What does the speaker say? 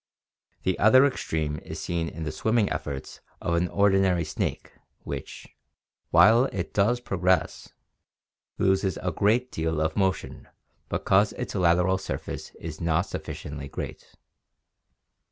The other ex treme is seen in the swimming efforts of an ordinary snake which, while it does progress, loses a great deal of motion because its lateral surface is not sufficiently great.